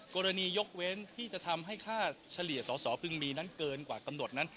ยกเว้นที่จะทำให้ค่าเฉลี่ยสอสอพึงมีนั้นเกินกว่ากำหนดนั้น